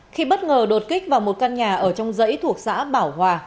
khi bất ngờ đột kích vào một căn nhà ở trong dãy thuộc xã bảo hòa